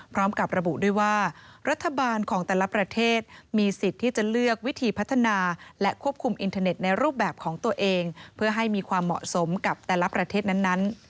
พร้อมกับระบุด้วยว่ารัฐบาลของแต่ละประเทศมีสิทธิ์ที่จะเลือกวิธีพัฒนาและควบคุมอินเทอร์เน็ตในรูปแบบของตัวเองเพื่อให้มีความเหมาะสมกับแต่ละประเทศนั้น